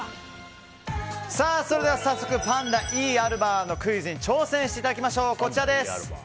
それでは早速パンダイーアルバーのクイズに挑戦していただきましょう。